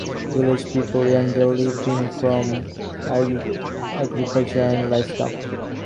Village people earn their living from agriculture and livestock.